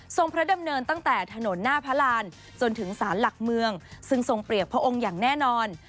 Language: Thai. พระดำเนินตั้งแต่ถนนหน้าพระรานจนถึงสารหลักเมืองซึ่งทรงเปรียบพระองค์อย่างแน่นอน